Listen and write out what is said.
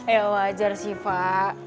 eh wajar sih pak